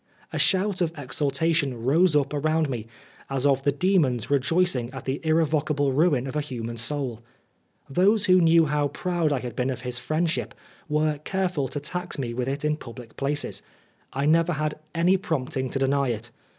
A shout of exultation rose up around me, as of the demons rejoicing at the irre vocable ruin of a human soul. Those who knew how proud I had been of his friendship 124 Oscar Wilde were careful to tax me with it in public places. I never had any prompting to deny it.